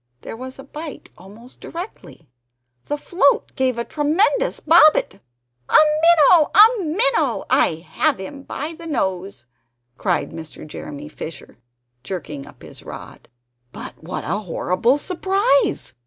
There was a bite almost directly; the float gave a tremendous bobbit! "A minnow! a minnow! I have him by the nose!" cried Mr. Jeremy Fisher, jerking up his rod. But what a horrible surprise!